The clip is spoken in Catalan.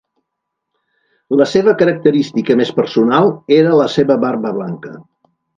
La seva característica més personal era la seva barba blanca.